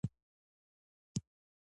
له ټولو بېزاره یم .